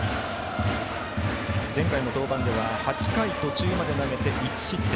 前回の登板では８回途中まで投げて１失点。